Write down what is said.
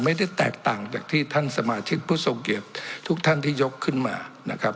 ไม่ได้แตกต่างจากที่ท่านสมาชิกผู้ทรงเกียจทุกท่านที่ยกขึ้นมานะครับ